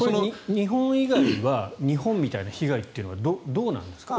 日本以外では日本みたいな被害はどうなんですか。